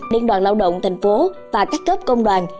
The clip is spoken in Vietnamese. liên đoàn lao động thành phố và các cấp công đoàn